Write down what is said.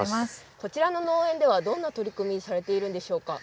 こちらの農園では、どんな取り組み、されているんでしょうか